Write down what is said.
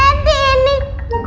aduh duduk duduk